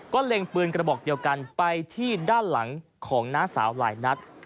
เล็งปืนกระบอกเดียวกันไปที่ด้านหลังของน้าสาวหลายนัด